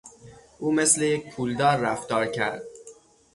او مثل یک پولدار رفتار کرد.